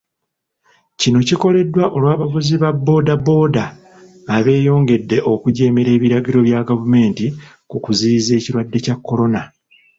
Kino kikoleddwa olw'abavuzi ba bbooda bbooda abeeyongedde okujeemera ebiragiro bya gavumenti ku kuziyiza ekirwadde kya Kolona.